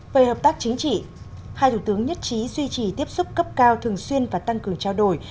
về hợp tác chính trị hai thủ tướng nhất trí duy trì tiếp xúc cấp cao thường xuyên và tăng cường trao đổi